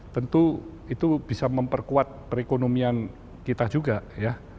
tentu itu bisa memperkuat perekonomian kita juga ya